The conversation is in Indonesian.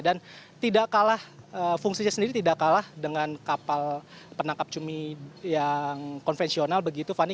dan tidak kalah fungsinya sendiri tidak kalah dengan kapal penangkap cumi yang konvensional begitu vani